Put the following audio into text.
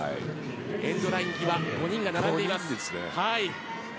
エンドラインから５人が並んでいます。